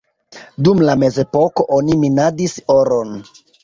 Dum la mezepoko oni minadis oron.